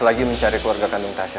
lagi mencari keluarga kandung kaca